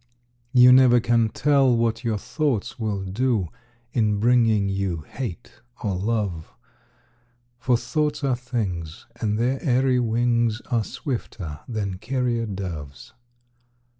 You never can tell what your thoughts will do, In bringing you hate or love; For thoughts are things, and their airy wings Are swifter than carrier doves.